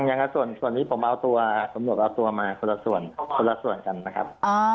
ยังค่ะส่วนนี้ผมเอาตัวสมรวจเอาตัวมาทั้งคนละส่วนนะครับ